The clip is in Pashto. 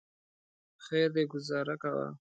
خیر دی ګوزاره کوه.